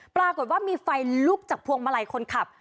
ปรากฏว่ามีไฟลุกจากพวงมาลัยคนขับ